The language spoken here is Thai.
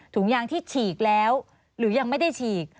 ถุงยางที่ฉีกแล้วหรือยังไม่ได้ฉีก